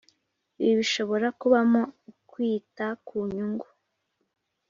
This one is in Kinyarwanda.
Ibi bishobora kubamo ukwita ku nyungu